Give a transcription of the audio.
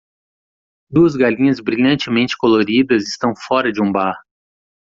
Duas galinhas brilhantemente coloridas estão fora de um bar.